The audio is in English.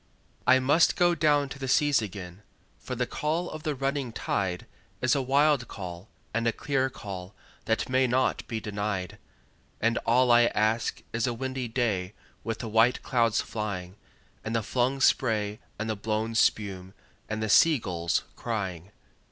I must down go to the seas again, for the call of the running tide Is a wild call and a clear call that may not be denied; And all I ask is a windy day with the white clouds flying, And the flung spray and the blown spume, and the sea gulls crying.